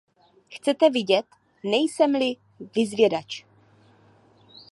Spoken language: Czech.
Chcete vidět, nejsem-li vyzvědač.